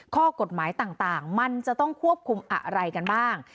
ข้อกฎหมายต่างมันจะต้องควบคุมอะไรกันบ้าง